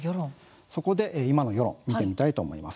そこで今の世論を見てみたいと思います。